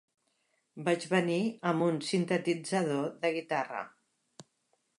Vaig venir amb un sintetitzador de guitarra.